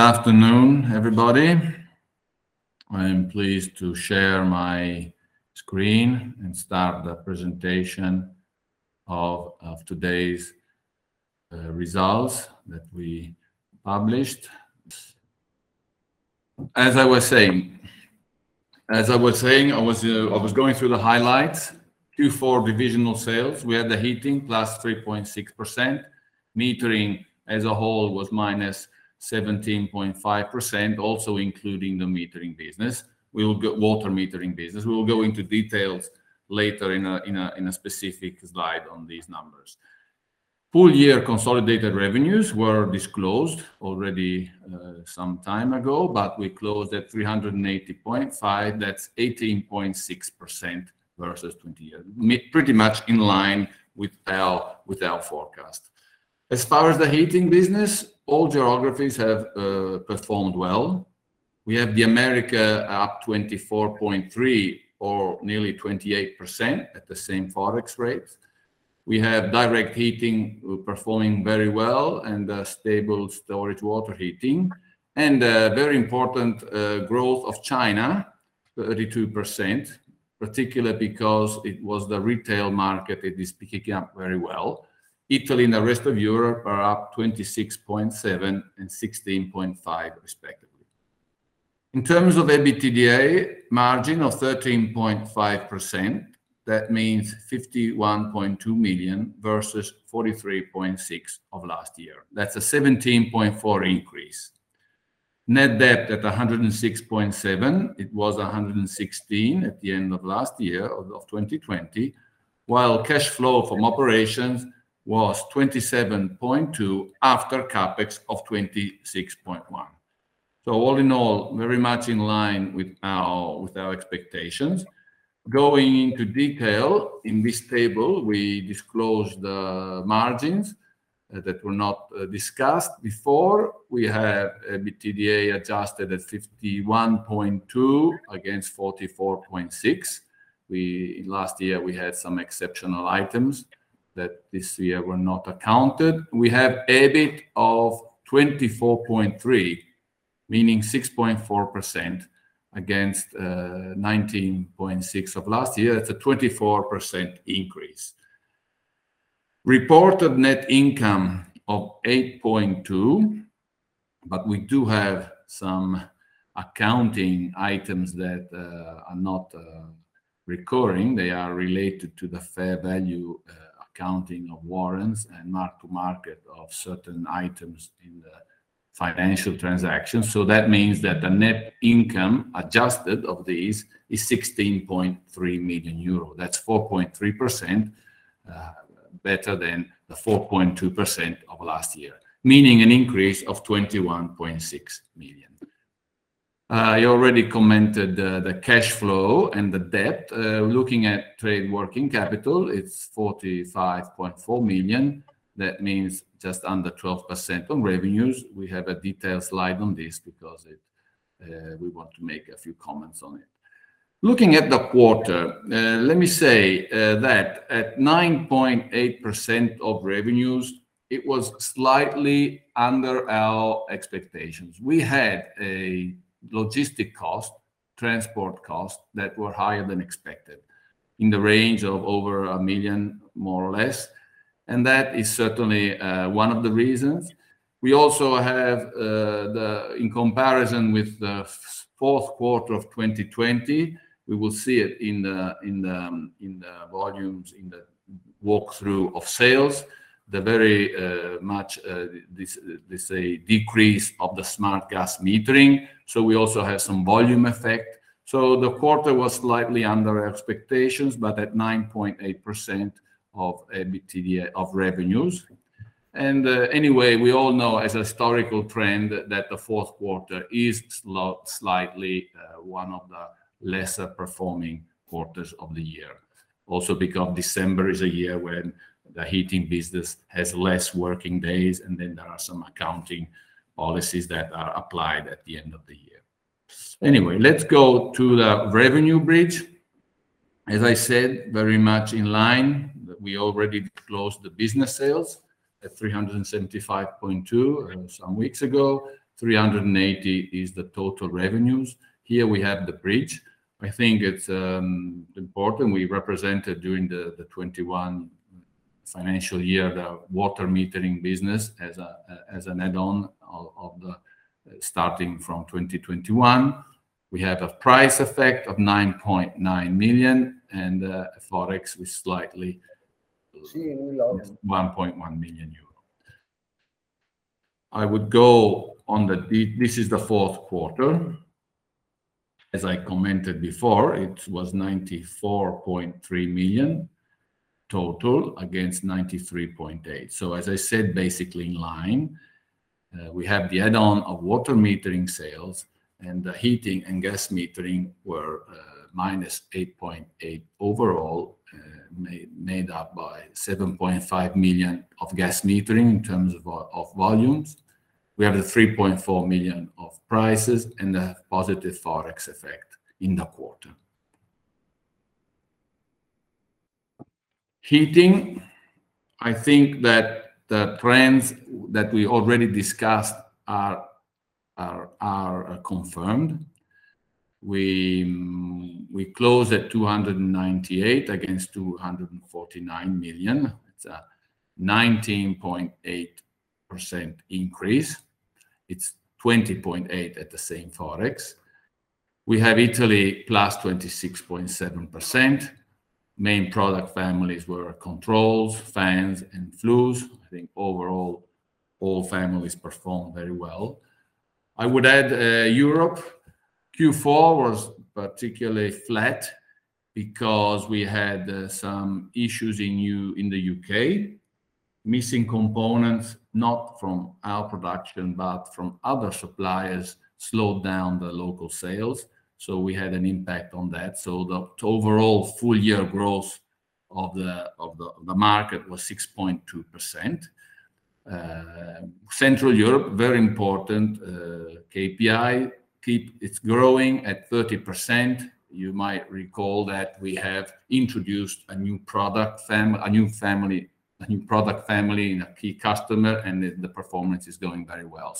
Good afternoon, everybody. I am pleased to share my screen and start the presentation of today's results that we published. As I was saying, I was going through the highlights. Q4 divisional sales, we had the heating +3.6%. Metering as a whole was -17.5%, also including the water metering business. We will go into details later in a specific slide on these numbers. Full year consolidated revenues were disclosed already some time ago, but we closed at 380.5. That's 18.6% versus 2020, pretty much in line with our forecast. As far as the heating business, all geographies have performed well. We have the Americas up 24.3% or nearly 28% at the same Forex rates. We have direct heating performing very well and stable storage water heating and very important growth of China, 32%, particularly because it was the retail market that is picking up very well. Italy and the rest of Europe are up 26.7% and 16.5% respectively. In terms of EBITDA margin of 13.5%. That means 51.2 million versus 43.6 million of last year. That's a 17.4% increase. Net debt at 106.7 million. It was 116 million at the end of last year, of 2020, while cash flow from operations was 27.2 million after CapEx of 26.1 million. All in all, very much in line with our expectations. Going into detail, in this table, we disclose the margins that were not discussed before. We have EBITDA adjusted at 51.2 against 44.6. Last year, we had some exceptional items that this year were not accounted. We have EBIT of 24.3, meaning 6.4% against 19.6 of last year. It's a 24% increase. Reported net income of 8.2, but we do have some accounting items that are not recurring. They are related to the fair value accounting of warrants and mark to market of certain items in the financial transaction. That means that the net income adjusted of these is 16.3 million euro. That's 4.3%, better than the 4.2% of last year, meaning an increase of 21.6 million. I already commented the cash flow and the debt. Looking at trade working capital, it's 45.4 million. That means just under 12% on revenues. We have a detailed slide on this because we want to make a few comments on it. Looking at the quarter, let me say, that at 9.8% of revenues, it was slightly under our expectations. We had logistics costs, transport costs, that were higher than expected, in the range of over 1 million, more or less, and that is certainly one of the reasons. We also have the In comparison with the fourth quarter of 2020, we will see it in the volumes in the walk through of sales, the very much this decrease of the smart gas metering. We also have some volume effect. The quarter was slightly under expectations, but at 9.8% of EBITDA of revenues. Anyway, we all know as a historical trend that the fourth quarter is slightly one of the lesser performing quarters of the year. Also because December is a year when the heating business has less working days, and then there are some accounting policies that are applied at the end of the year. Anyway, let's go to the revenue bridge. As I said, very much in line. We already closed the business sales at 375.2 million some weeks ago. 380 million is the total revenues. Here we have the bridge. I think it's important. We represented during the 2021 financial year the water metering business as an add-on. Starting from 2021. We have a price effect of 9.9 million, and Forex was slightly 1.1 million euro. I would go on. This is the fourth quarter. As I commented before, it was 94.3 million total against 93.8 million. As I said, basically in line. We have the add-on of water metering sales, and the heating and gas metering were -8.8 overall, made up by 7.5 million of gas metering in terms of volumes. We have the 3.4 million of prices and a positive Forex effect in the quarter. Heating, I think that the trends that we already discussed are confirmed. We close at 298 against 249 million. It's a 19.8% increase. It's 20.8% at the same Forex. We have Italy +26.7%. Main product families were Controls, Fans, and Flues. I think overall, all families performed very well. I would add, Europe, Q4 was particularly flat because we had some issues in the U.K., missing components, not from our production, but from other suppliers slowed down the local sales, so we had an impact on that. The overall full year growth of the market was 6.2%. Central Europe, very important KPI. It's growing at 30%. You might recall that we have introduced a new product family in a key customer, and the performance is going very well.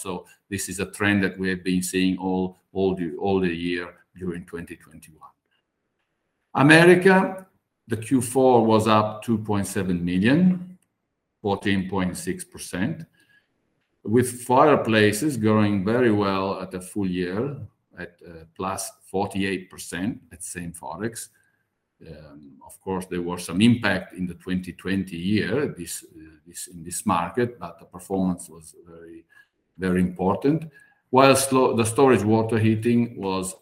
This is a trend that we have been seeing all the year during 2021. America, the Q4 was up 2.7 million, 14.6%, with Fireplaces growing very well at a full year at +48% at same Forex. Of course, there was some impact in the 2020 year, in this market, but the performance was very important. While the Storage Water Heaters was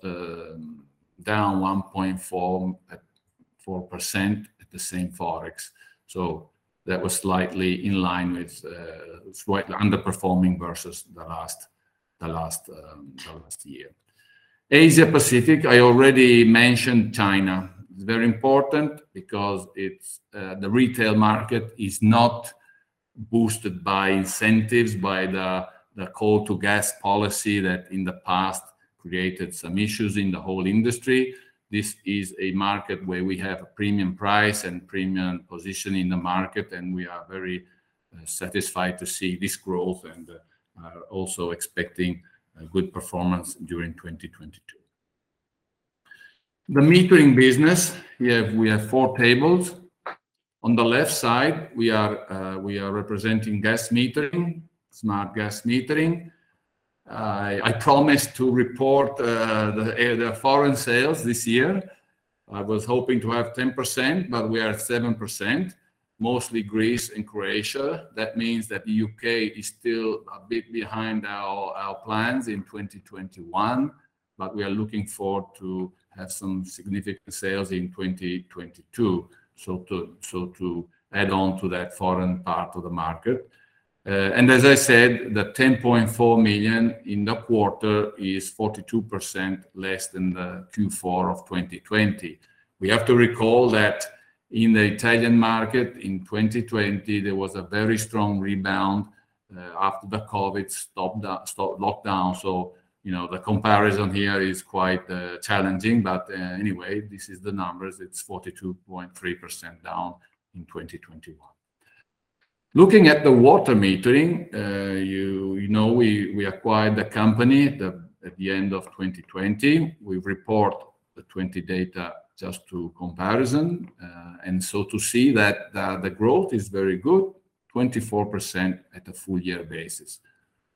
down 1.4 million, at 4% at the same Forex. That was slightly in line with, slightly underperforming versus the last year. In Asia Pacific, I already mentioned China. It's very important because it's the retail market is not boosted by incentives, by the coal to gas policy that in the past created some issues in the whole industry. This is a market where we have a premium price and premium position in the market, and we are very satisfied to see this growth, and are also expecting a good performance during 2022. The metering business, we have four tables. On the left side, we are representing gas metering, smart gas metering. I promised to report the foreign sales this year. I was hoping to have 10%, but we are at 7%, mostly Greece and Croatia. That means that the U.K. is still a bit behind our plans in 2021, but we are looking forward to have some significant sales in 2022, so to add on to that foreign part of the market. As I said, the 10.4 million in the quarter is 42% less than the Q4 of 2020. We have to recall that in the Italian market in 2020, there was a very strong rebound after the COVID lockdown. You know, the comparison here is quite challenging. Anyway, this is the numbers. It's 42.3% down in 2021. Looking at the water metering, you know, we acquired the company at the end of 2020. We report the 2020 data just to comparison and so to see that the growth is very good, 24% at a full year basis.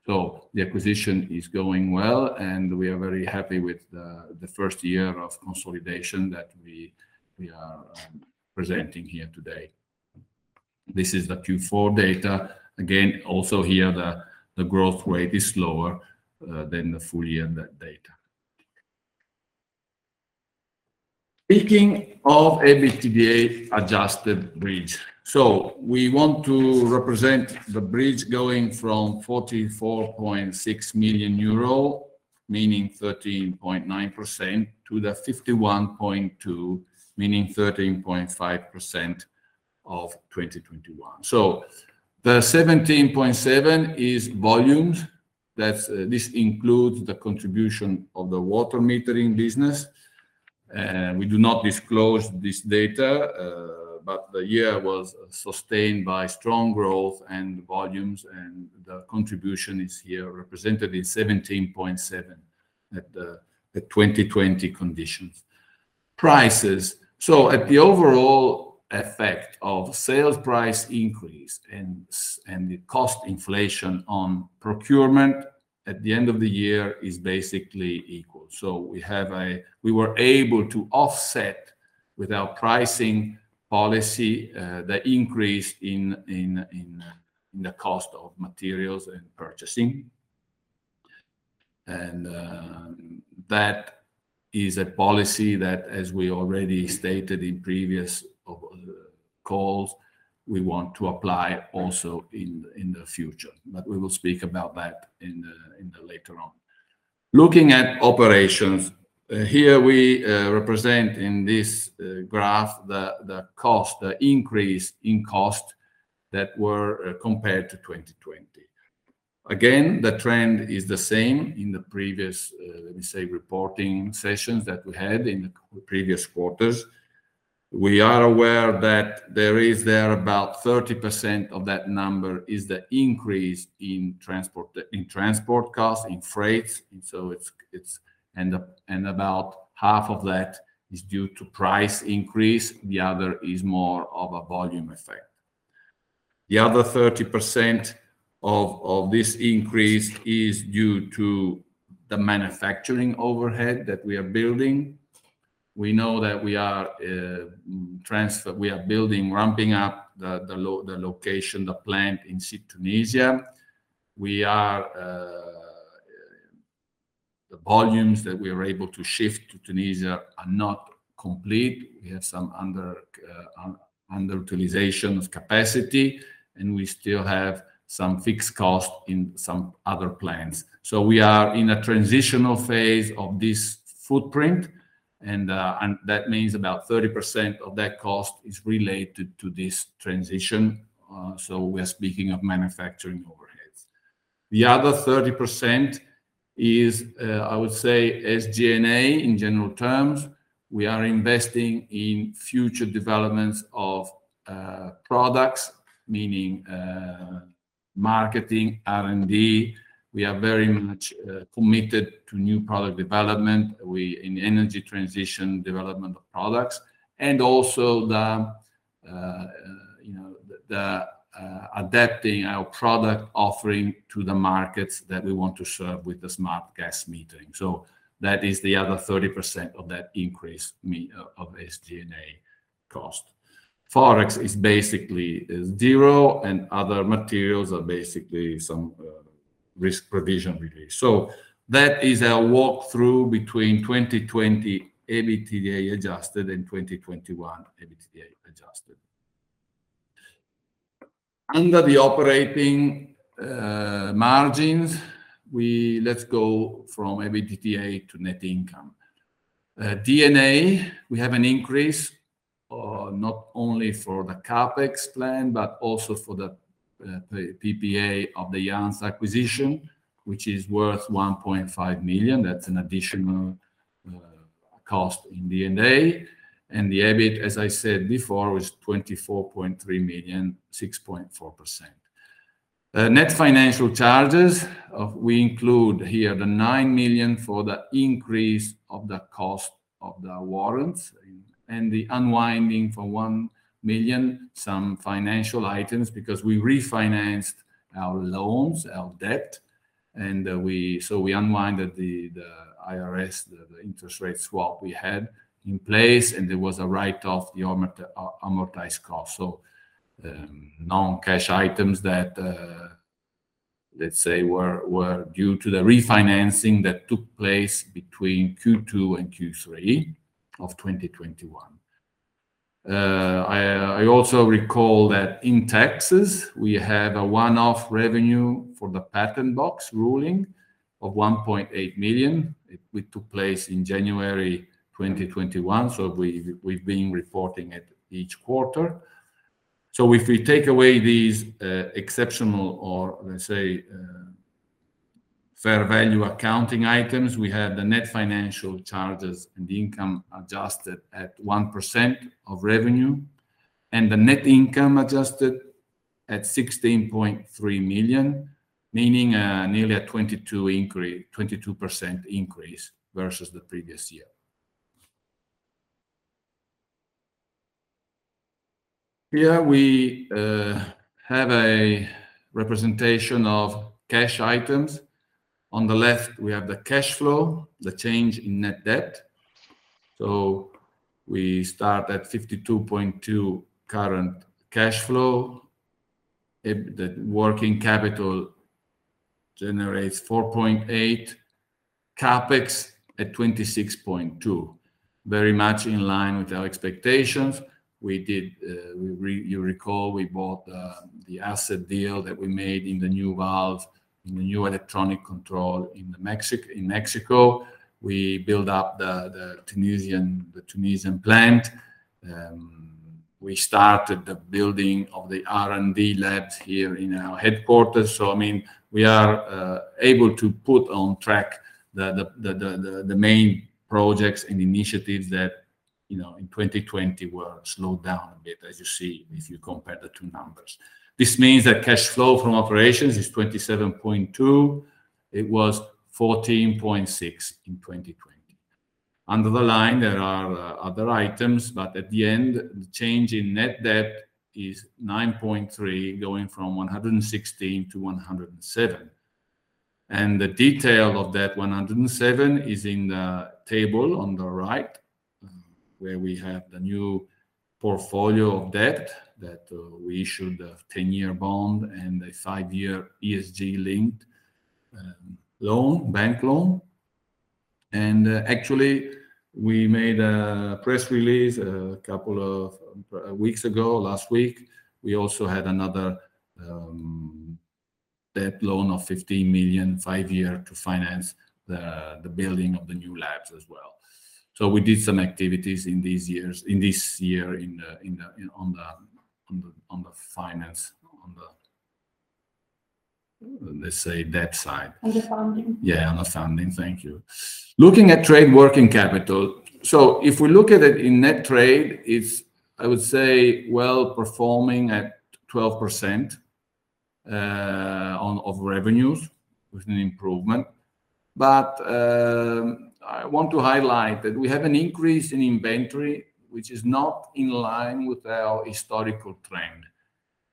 The acquisition is going well, and we are very happy with the first year of consolidation that we are presenting here today. This is the Q4 data. Again, also here, the growth rate is lower than the full year data. Speaking of Adjusted EBITDA bridge. We want to represent the bridge going from 44.6 million euro, meaning 13.9%, to the 51.2, meaning 13.5% of 2021. The 17.7 is volumes. This includes the contribution of the water metering business. We do not disclose this data, but the year was sustained by strong growth and volumes, and the contribution is here represented in 17.7 at 2020 conditions. Prices. The overall effect of sales price increase and the cost inflation on procurement at the end of the year is basically equal. We have a. We were able to offset with our pricing policy the increase in the cost of materials and purchasing. That is a policy that, as we already stated in previous calls, we want to apply also in the future. We will speak about that in the later on. Looking at operations, here we represent in this graph the increase in cost that were compared to 2020. Again, the trend is the same in the previous, let me say, reporting sessions that we had in the previous quarters. We are aware that there is about 30% of that number is the increase in transport costs, in freights, and so it is. About half of that is due to price increase. The other is more of a volume effect. The other 30% of this increase is due to the manufacturing overhead that we are building. We know that we are building, ramping up the location, the plant in Tunisia. The volumes that we are able to shift to Tunisia are not complete. We have some underutilization of capacity, and we still have some fixed costs in some other plants. We are in a transitional phase of this footprint, and that means about 30% of that cost is related to this transition, so we are speaking of manufacturing overheads. The other 30% is, I would say, SG&A in general terms. We are investing in future developments of products, meaning marketing, R&D. We are very much committed to new product development. We in energy transition, development of products, and also you know adapting our product offering to the markets that we want to serve with the smart gas metering. That is the other 30% of that increase of SG&A cost. Forex is basically zero, and other materials are basically some risk provision release. That is our walkthrough between 2020 EBITDA adjusted and 2021 EBITDA adjusted. Under the operating margins, we let's go from EBITDA to net income. D&A, we have an increase not only for the CapEx plan, but also for the PPA of the Janz acquisition, which is worth 1.5 million. That's an additional cost in D&A. The EBIT, as I said before, was 24.3 million, 6.4%. Net financial charges of... We include here the 9 million for the increase of the cost of the warrants and the unwinding for 1 million, some financial items, because we refinanced our loans, our debt, and we unwound the IRS, the interest rate swap we had in place, and there was a write-off, the amortized cost. Non-cash items that, let's say, were due to the refinancing that took place between Q2 and Q3 of 2021. I also recall that in taxes, we have a one-off revenue for the patent box ruling of 1.8 million. It took place in January 2021, so we've been reporting it each quarter. If we take away these, exceptional or, let's say, fair value accounting items, we have the net financial charges and the income adjusted at 1% of revenue, and the net income adjusted at 16.3 million, meaning nearly a 22% increase versus the previous year. Here we have a representation of cash items. On the left, we have the cash flow, the change in net debt. We start at 52.2 current cash flow. The working capital generates 4.8. CapEx at 26.2. Very much in line with our expectations. We did, you recall, we bought the asset deal that we made in the new valve, in the new electronic control in Mexico. We build up the Tunisian plant. We started the building of the R&D labs here in our headquarters. I mean, we are able to put on track the main projects and initiatives that, you know, in 2020 were slowed down a bit, as you see, if you compare the two numbers. This means that cash flow from operations is 27.2. It was 14.6 in 2020. Under the line, there are other items, but at the end, the change in net debt is 9.3, going from 116-107. The detail of that 107 is in the table on the right, where we have the new portfolio of debt that we issued a 10-year bond and a five-year ESG-linked bank loan. Actually, we made a press release a couple of weeks ago, last week. We also had another debt loan of 15 million, five-year, to finance the building of the new labs as well. We did some activities in these years, in this year, on the finance, on the. Let's say debt side. Under funding. Yeah, under funding. Thank you. Looking at trade working capital, if we look at it in net trade, it's, I would say, well performing at 12% of revenues with an improvement. I want to highlight that we have an increase in inventory, which is not in line with our historical trend.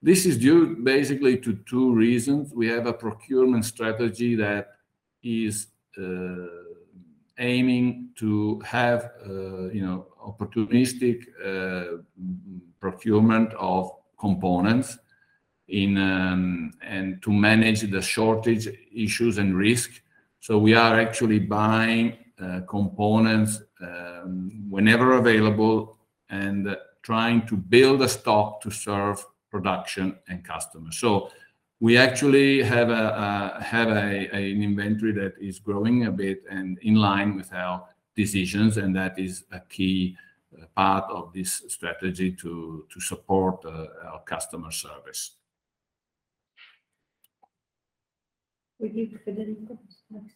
This is due basically to two reasons. We have a procurement strategy that is aiming to have you know opportunistic procurement of components and to manage the shortage issues and risk. We are actually buying components whenever available and trying to build a stock to serve production and customers. We actually have an inventory that is growing a bit and in line with our decisions, and that is a key part of this strategy to support our customer service. We give Federico next.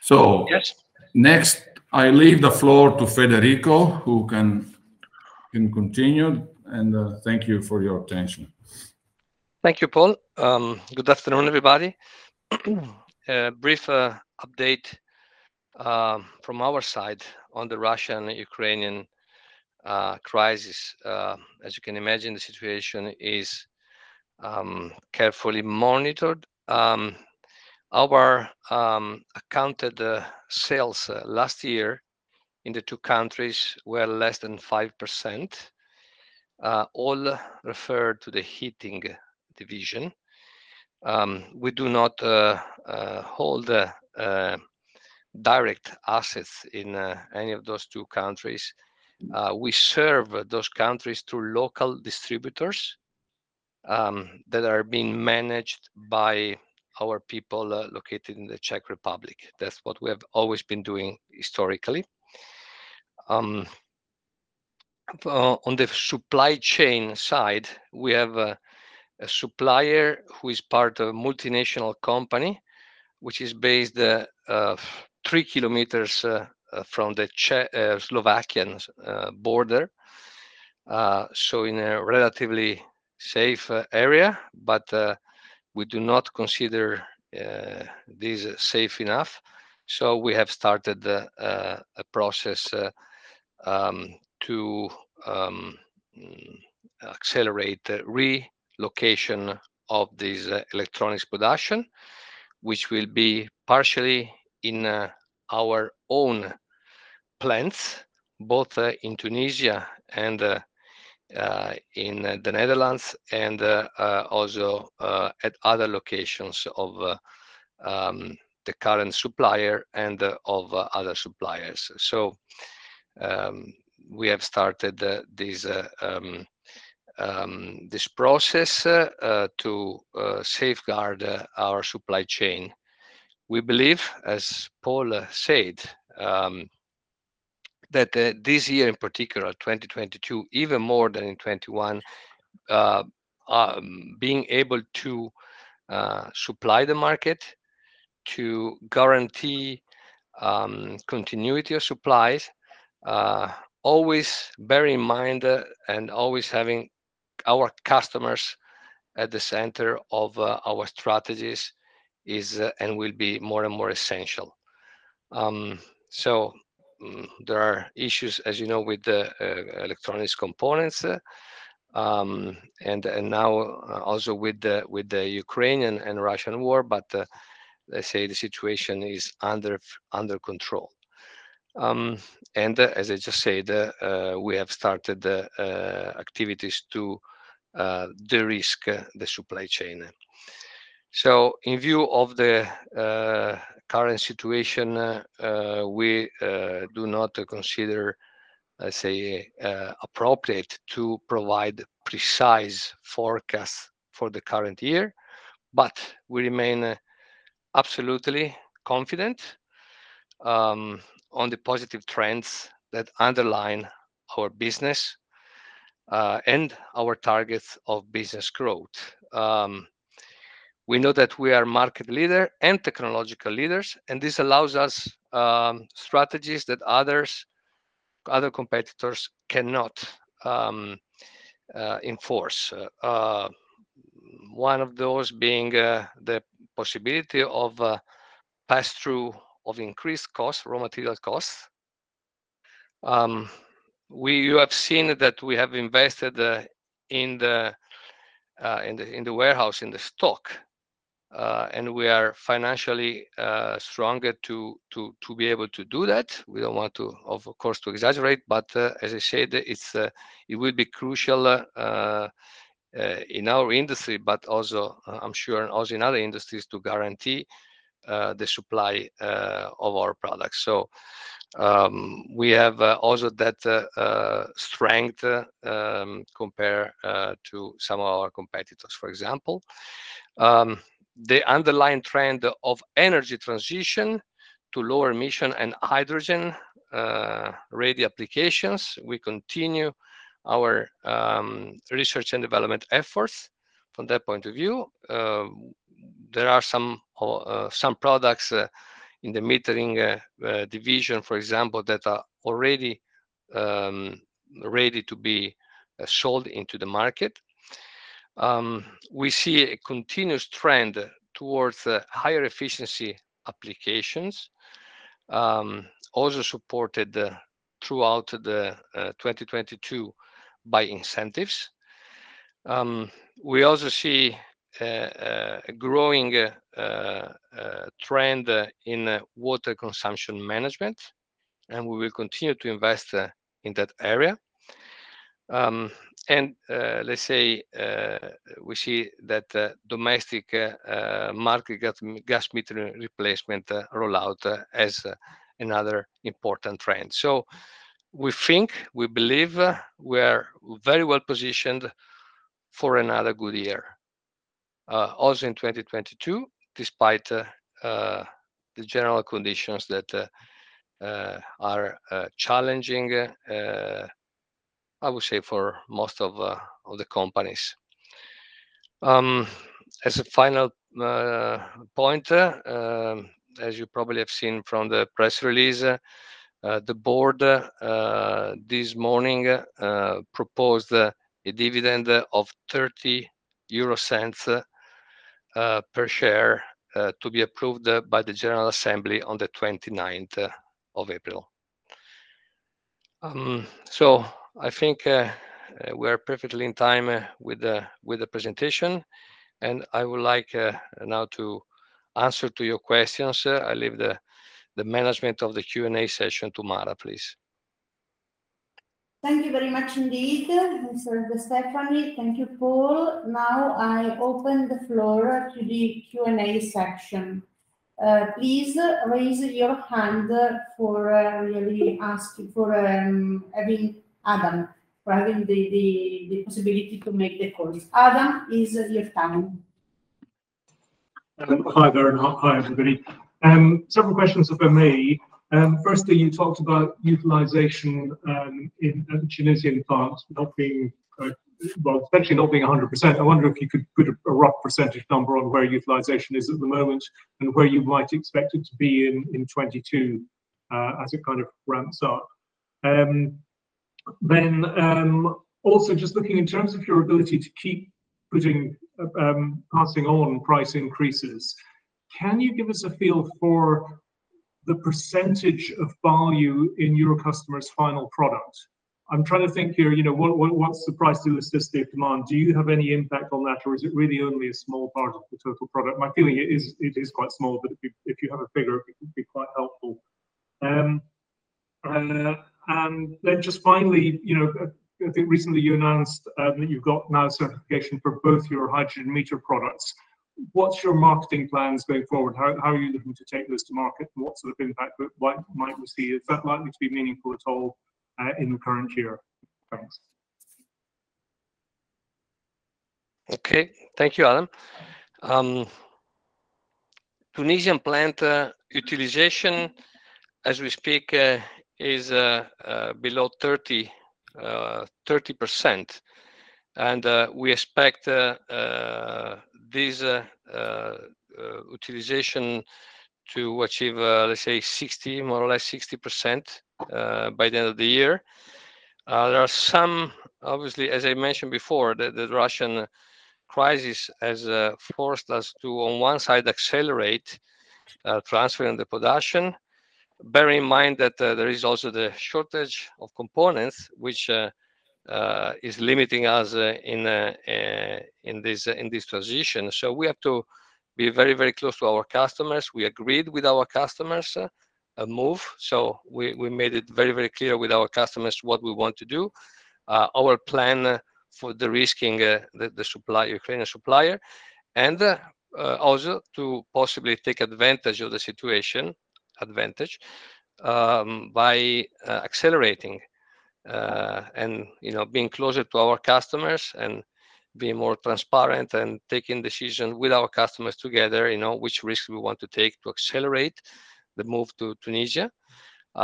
So. Yes. Next, I leave the floor to Federico, who can continue. Thank you for your attention. Thank you, Paul. Good afternoon, everybody. A brief update from our side on the Russian-Ukrainian crisis. As you can imagine, the situation is carefully monitored. Our accounted sales last year in the two countries were less than 5%. All refer to the Heating Division. We do not hold direct assets in any of those two countries. We serve those countries through local distributors that are being managed by our people located in the Czech Republic. That's what we have always been doing historically. On the supply chain side, we have a supplier who is part of a multinational company, which is based 3 km from the Czech-Slovakian border, so in a relatively safe area. We do not consider this safe enough, so we have started a process to accelerate the relocation of this electronics production, which will be partially in our own plants, both in Tunisia and in the Netherlands and also at other locations of the current supplier and of other suppliers. We have started this process to safeguard our supply chain. We believe, as Paul said, that this year in particular, 2022, even more than in 2021, being able to supply the market to guarantee continuity of supplies, always bear in mind, and always having our customers at the center of our strategies is and will be more and more essential. There are issues, as you know, with the electronic components, and now also with the Ukrainian and Russian war, but let's say the situation is under control. As I just said, we have started activities to de-risk the supply chain. In view of the current situation, we do not consider, let's say, appropriate to provide precise forecasts for the current year, but we remain absolutely confident on the positive trends that underlie our business and our targets of business growth. We know that we are market leader and technological leaders, and this allows us strategies that other competitors cannot enforce. One of those being the possibility of pass-through of increased costs, raw material costs. You have seen that we have invested in the warehouse, in the stock, and we are financially stronger to be able to do that. We don't want to, of course, to exaggerate, but as I said, it will be crucial in our industry, but also, I'm sure, in other industries, to guarantee the supply of our products. We have also that strength compared to some of our competitors, for example. The underlying trend of energy transition to lower-emission and hydrogen-ready applications, we continue our research and development efforts from that point of view. There are some products in the metering division, for example, that are already ready to be sold into the market. We see a continuous trend towards higher efficiency applications, also supported throughout 2022 by incentives. We also see a growing trend in water consumption management, and we will continue to invest in that area. Let's say we see that domestic market gas metering replacement rollout as another important trend. We think we believe we're very well-positioned for another good year also in 2022, despite the general conditions that are challenging, I would say for most of the companies. As a final point, as you probably have seen from the press release, the board this morning proposed a dividend of 0.30 per share to be approved by the general assembly on the 29th of April. I think we're perfectly in time with the presentation, and I would like now to answer to your questions. I leave the management of the Q&A session to Mara, please. Thank you very much indeed, Mr. De Stefani. Thank you, Paul. Now I open the floor to the Q&A section. Please raise your hand for really asking for having Adam for having the possibility to make the calls. Adam, it's your time. Hello. Hi there, and hi, everybody. Several questions from me. Firstly, you talked about utilization at the Tunisian plant not being potentially 100%. I wonder if you could put a rough percentage number on where utilization is at the moment and where you might expect it to be in 2022 as it kind of ramps up? Also just looking in terms of your ability to keep passing on price increases, can you give us a feel for the percentage of value in your customers' final product? I'm trying to think here, you know, what's the price elasticity of demand? Do you have any impact on that, or is it really only a small part of the total product? My feeling is it is quite small, but if you have a figure, it would be quite helpful. Just finally, you know, I think recently you announced that you've got now certification for both your hydrogen meter products. What's your marketing plans going forward? How are you looking to take those to market? And what sort of impact might we see? Is that likely to be meaningful at all in the current year? Thanks. Okay. Thank you, Adam. Tunisian plant utilization as we speak is below 30%. We expect this utilization to achieve, let's say 60%, more or less 60%, by the end of the year. Obviously, as I mentioned before, the Russian crisis has forced us to, on one side, accelerate transferring the production. Bear in mind that there is also the shortage of components, which is limiting us in this transition. We have to be very close to our customers. We agreed with our customers a move, so we made it very clear with our customers what we want to do. Our plan for derisking the supply, Ukrainian supplier, and also to possibly take advantage of the situation by accelerating, and you know, being closer to our customers and being more transparent and taking decision with our customers together, you know, which risk we want to take to accelerate the move to Tunisia. We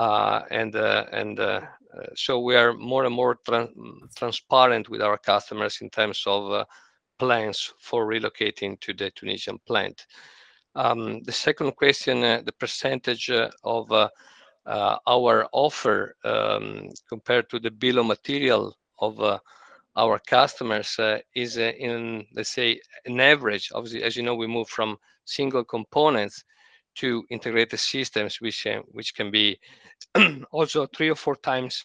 are more and more transparent with our customers in terms of plans for relocating to the Tunisian plant. The second question, the percentage of our offer compared to the bill of material of our customers is, in let's say on average. Obviously, as you know, we move from single components to integrated systems which can be also three or 4x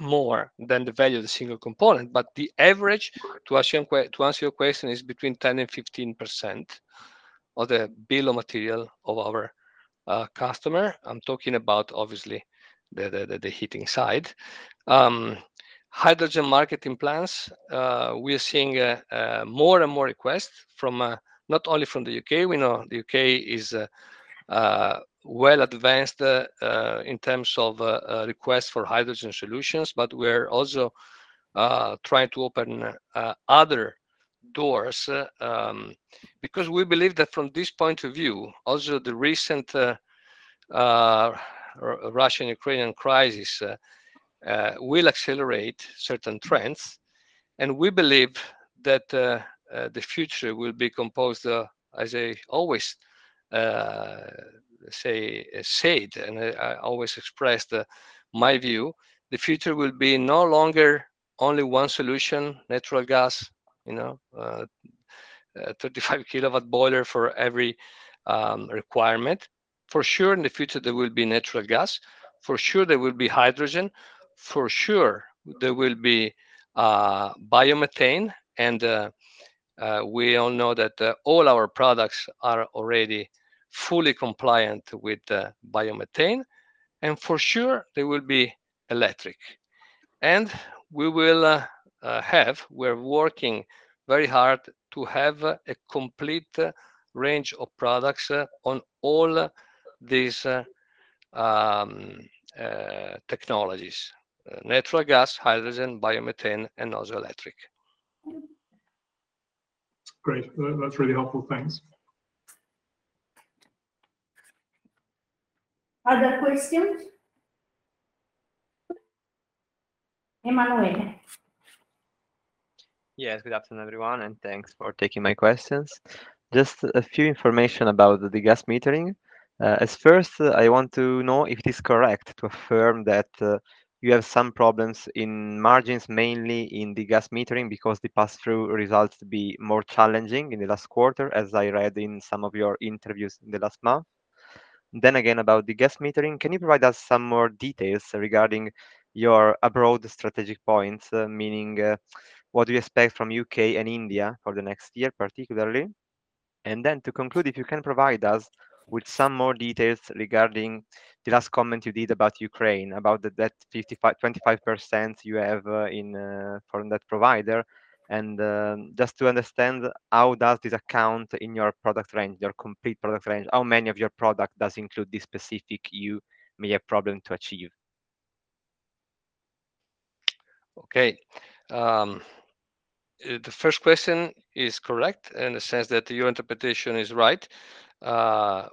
more than the value of the single component. The average, to answer your question, is between 10%-15% of the bill of material of our customer. I'm talking about obviously the heating side. Hydrogen metering plans, we are seeing more and more requests from not only the U.K. We know the U.K. is well advanced in terms of requests for hydrogen solutions. We're also trying to open other doors, because we believe that from this point of view, also the recent Russian-Ukrainian crisis will accelerate certain trends, and we believe that the future will be composed, as I always say, and I always express my view, the future will be no longer only one solution, natural gas, you know, 35-kW boiler for every requirement. For sure, in the future, there will be natural gas. For sure, there will be hydrogen. For sure, there will be biomethane, and we all know that all our products are already fully compliant with biomethane. And for sure, there will be electric. And we will have. We're working very hard to have a complete range of products on all these technologies: natural gas, hydrogen, biomethane, and also electric. That's really helpful. Thanks. Other questions? Emanuele. Yes. Good afternoon, everyone, and thanks for taking my questions. Just a few information about the gas metering. As first, I want to know if it is correct to affirm that you have some problems in margins, mainly in the gas metering, because the passthrough results to be more challenging in the last quarter, as I read in some of your interviews in the last month. About the gas metering, can you provide us some more details regarding your abroad strategic points, meaning, what do you expect from U.K. and India for the next year particularly? To conclude, if you can provide us with some more details regarding the last comment you did about Ukraine, about that 55. 25% you have from that provider and just to understand how does this account in your product range, your complete product range? How many of your product does include this specific you may have problem to achieve? Okay. The first question is correct in the sense that your interpretation is right. Let's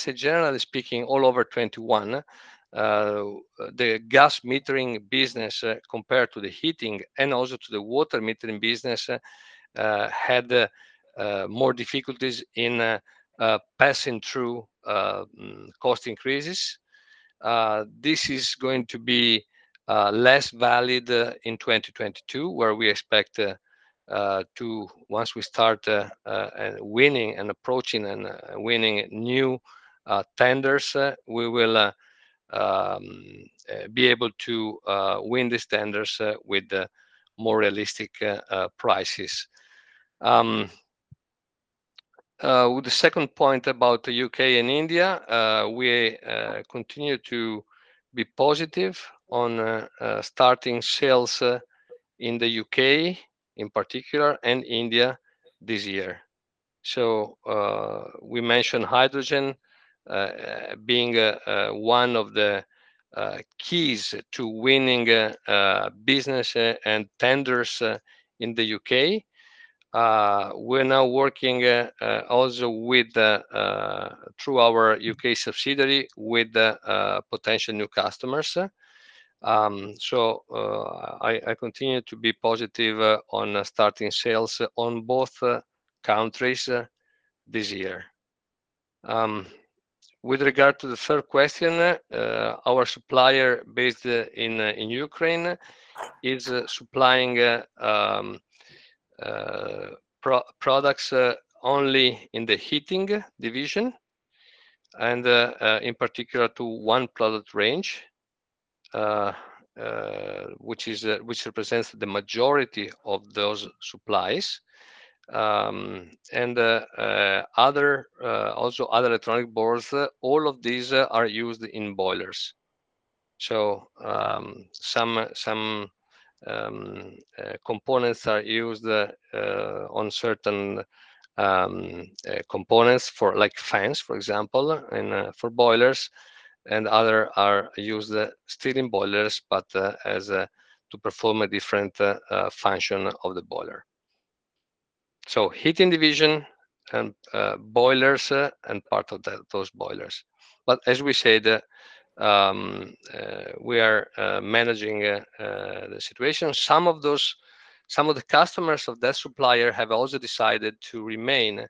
say generally speaking, all over 2021, the gas metering business, compared to the heating and also to the water metering business, had more difficulties in passing through cost increases. This is going to be less valid in 2022, where we expect to, once we start winning and approaching and winning new tenders, we will be able to win these tenders with more realistic prices. With the second point about the U.K. and India, we continue to be positive on starting sales in the U.K. in particular and India this year. We mentioned hydrogen being one of the keys to winning business and tenders in the U.K. We're now working also through our U.K. subsidiary with potential new customers. I continue to be positive on starting sales in both countries this year. With regard to the third question, our supplier based in Ukraine is supplying products only in the heating division and in particular to one product range which represents the majority of those supplies. Also, other Electronic boards, all of these are used in boilers. Some components are used on certain components for like fans, for example, and for boilers and other are used still in boilers but to perform a different function of the boiler. Heating Division and boilers and part of those boilers. As we said, we are managing the situation. Some of the customers of that supplier have also decided to remain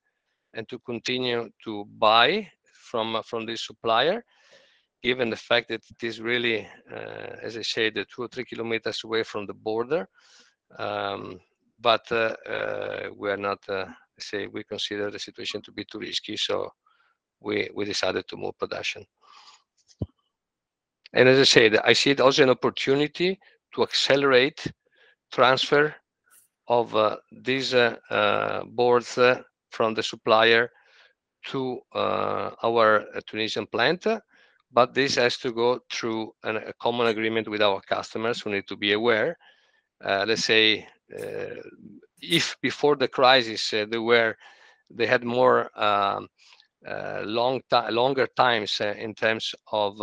and to continue to buy from this supplier, given the fact that it is really, as I said, 2 km or 3 km away from the border. We consider the situation to be too risky, so we decided to move production. As I said, I see it also an opportunity to accelerate transfer of these boards from the supplier to our Tunisian plant. This has to go through a common agreement with our customers who need to be aware. Let's say, if before the crisis, they had longer times in terms of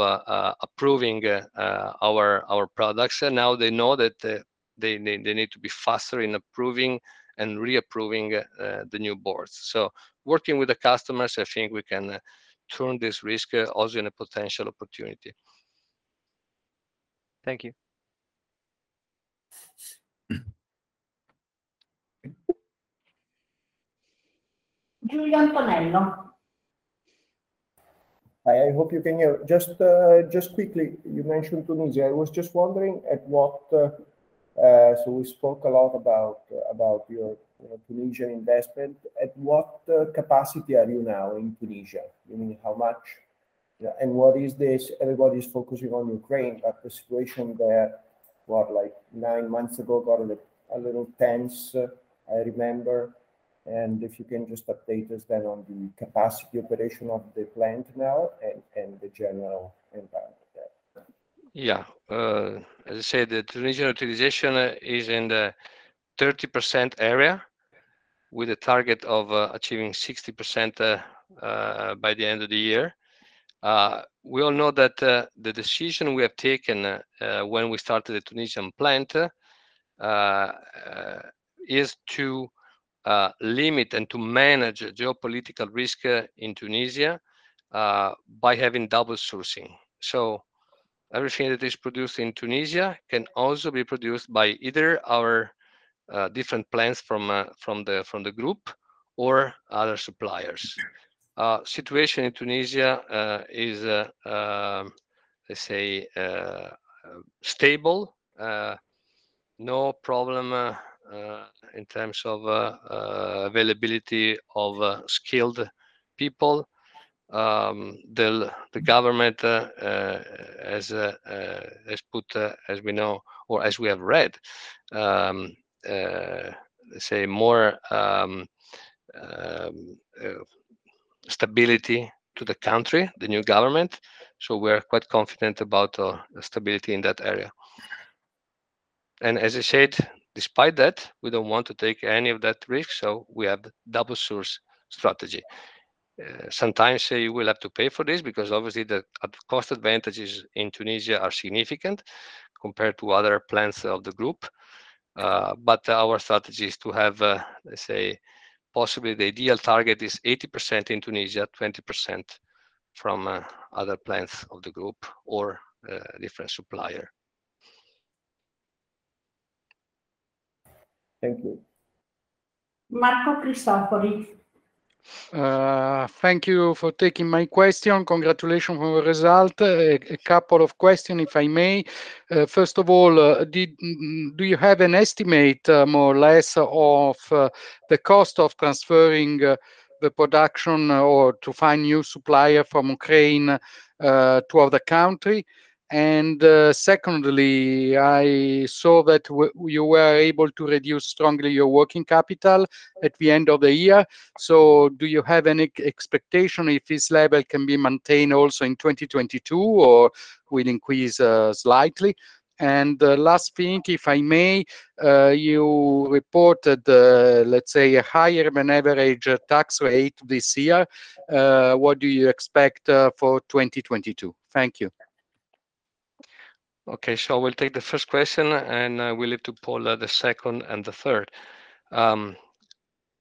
approving our products. Now they know that they need to be faster in approving and reapproving the new boards. Working with the customers, I think we can turn this risk also in a potential opportunity. Thank you. Giulio Antonello. I hope you can hear. Just quickly, you mentioned Tunisia. I was just wondering at what... So we spoke a lot about your Tunisian investment. At what capacity are you now in Tunisia? You mean, how much? And what is this... Everybody's focusing on Ukraine, but the situation there, like nine months ago, got a little tense, I remember. If you can just update us then on the capacity operation of the plant now and the general environment there. Yeah. As I said, the Tunisian utilization is in the 30% area, with a target of achieving 60% by the end of the year. We all know that the decision we have taken when we started the Tunisian plant is to limit and to manage geopolitical risk in Tunisia by having double sourcing. Everything that is produced in Tunisia can also be produced by either our different plants from the group or other suppliers. Situation in Tunisia is, let's say, stable. No problem in terms of availability of skilled people. The government has put, as we know or as we have read, let's say more stability to the country, the new government, so we're quite confident about the stability in that area. As I said, despite that, we don't want to take any of that risk, so we have dual source strategy. Sometimes you will have to pay for this because obviously the cost advantages in Tunisia are significant compared to other plants of the group. Our strategy is to have, let's say possibly the ideal target is 80% in Tunisia, 20% from other plants of the group or different supplier. Thank you. Marco Cristofori. Thank you for taking my question. Congratulations on the result. A couple of questions, if I may. First of all, do you have an estimate, more or less, of the cost of transferring the production or to find new supplier from Ukraine to other country? Secondly, I saw that you were able to reduce strongly your working capital at the end of the year. Do you have any expectation if this level can be maintained also in 2022, or will increase slightly? The last thing, if I may, you reported, let's say, higher than average tax rate this year. What do you expect for 2022? Thank you. I will take the first question, and I will leave to Paul the second and the third.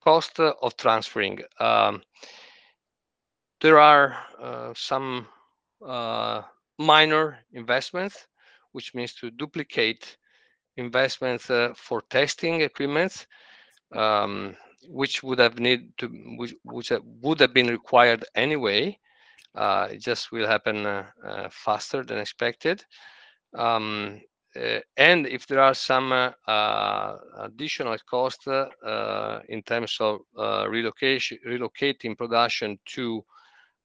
Cost of transferring. There are some minor investments, which means to duplicate investments for testing agreements, which would have been required anyway. It just will happen faster than expected. If there are some additional costs in terms of relocating production to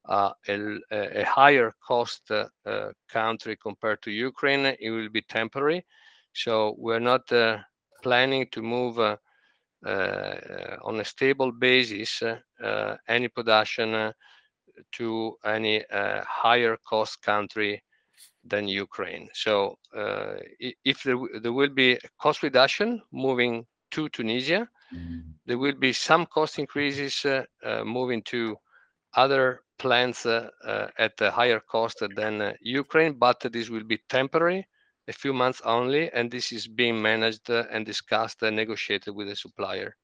a higher cost country compared to Ukraine, it will be temporary. We're not planning to move on a stable basis any production to any higher cost country than Ukraine. If there will be cost reduction moving to Tunisia. There will be some cost increases, moving to other plants, at a higher cost than Ukraine, but this will be temporary, a few months only, and this is being managed, and discussed and negotiated with the supplier.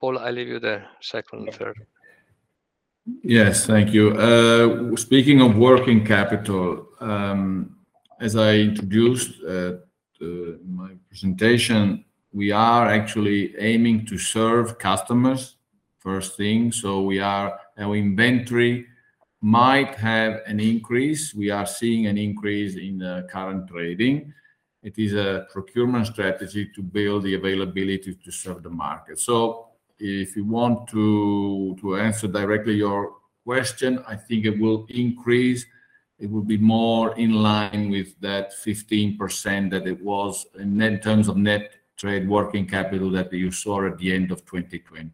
Paul, I leave you the second and third. Yes. Thank you. Speaking of working capital, as I introduced my presentation, we are actually aiming to serve customers first thing. Our inventory might have an increase. We are seeing an increase in current trading. It is a procurement strategy to build the availability to serve the market. If you want to answer directly your question, I think it will increase. It will be more in line with that 15% that it was in net terms of net trade working capital that you saw at the end of 2020.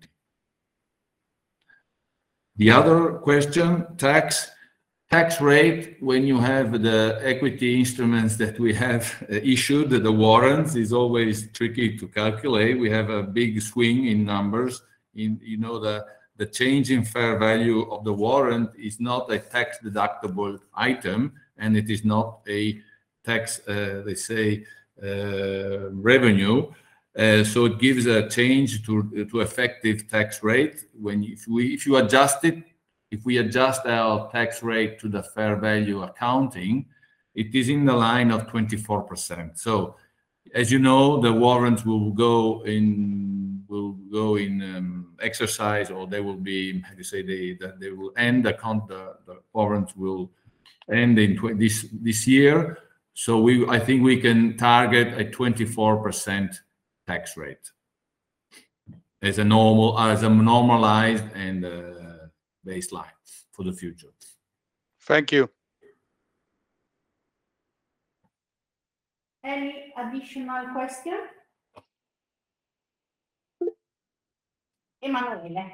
The other question, tax rate, when you have the equity instruments that we have issued, the warrants, is always tricky to calculate. We have a big swing in numbers. You know that the change in fair value of the warrant is not a tax-deductible item, and it is not a tax revenue. It gives a change to effective tax rate. If you adjust it, if we adjust our tax rate to the fair value accounting, it is in the line of 24%. As you know, the warrants will go in exercise, or they will end. The warrants will end in this year. I think we can target a 24% tax rate as a normalized and baseline for the future. Thank you. Any additional question? Emanuele.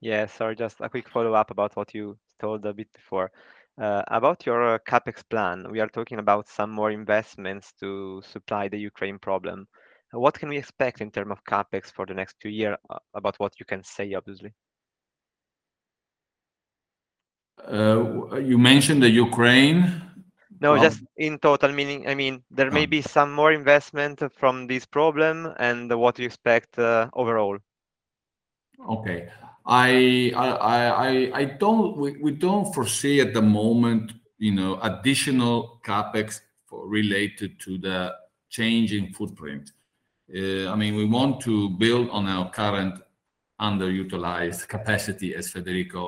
Yeah, sorry, just a quick follow-up about what you told a bit before. About your CapEx plan, we are talking about some more investments to solve the Ukraine problem. What can we expect in terms of CapEx for the next two years, about what you can say, obviously? You mentioned the Ukraine? No, just in total, meaning, I mean, there may be some more investment from this problem and what you expect, overall. Okay. We don't foresee at the moment, you know, additional CapEx related to the change in footprint. I mean, we want to build on our current underutilized capacity, as Federico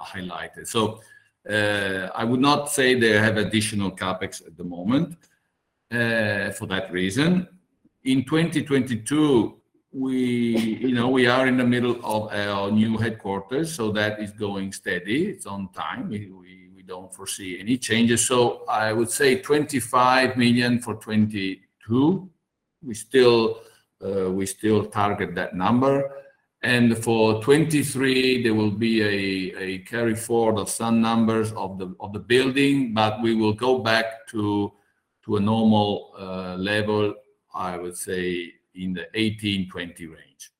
highlighted. So, I would not say that I have additional CapEx at the moment, for that reason. In 2022, you know, we are in the middle of our new headquarters, so that is going steady. It's on time. We don't foresee any changes. So, I would say 25 million for 2022. We still target that number. For 2023, there will be a carry forward of some numbers of the building, but we will go back to a normal level, I would say, in the 18 million-20 million range.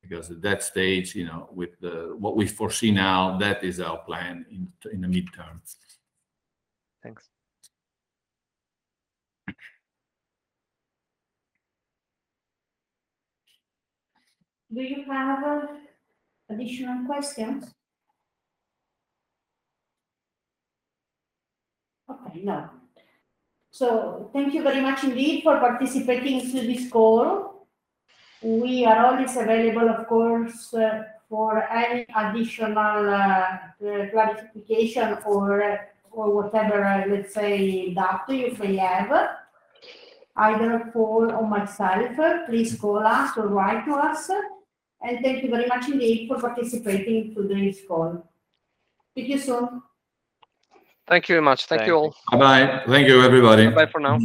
Because at that stage, you know, with what we foresee now, that is our plan in the midterm. Thanks. Do you have additional questions? Okay. No. Thank you very much indeed for participating to this call. We are always available, of course, for any additional clarification or whatever, let's say, doubt you may have, either Paul or myself. Please call us or write to us. Thank you very much indeed for participating to this call. Thank you, sir. Thank you very much. Thank you all. Bye-bye. Thank you, everybody. Bye for now.